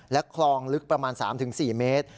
และคลองลึกประมาณ๓๔เมตร